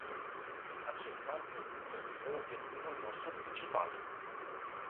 Acesta ar trebui să fie obiectivul nostru principal.